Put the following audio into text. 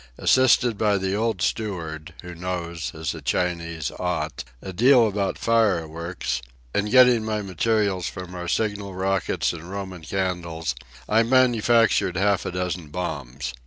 Assisted by the old steward, who knows, as a Chinese ought, a deal about fireworks, and getting my materials from our signal rockets and Roman candles, I manufactured half a dozen bombs.